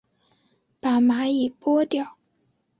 把蚂蚁拨掉